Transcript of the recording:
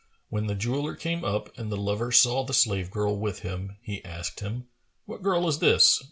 When the jeweller came up and the lover saw the slave girl with him, he asked him, "What girl is this?"